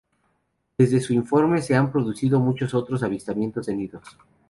Desde su informe, se han producido muchos otros avistamientos de nidos.